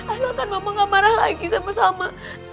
asalkan mama gak marah lagi sama sama